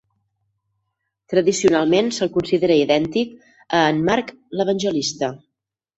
Tradicionalment se'l considera idèntic a en Marc l'Evangelista.